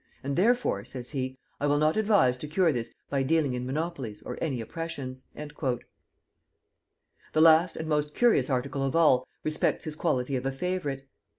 "And therefore," says he, "I will not advise to cure this by dealing in monopolies or any oppressions." The last and most curious article of all, respects his quality of a favorite.